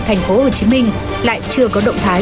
tp hcm lại chưa có động thái